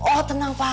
oh tenang pa